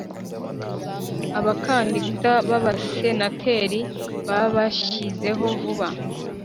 abakandida b abasenateri babashyizeho vuba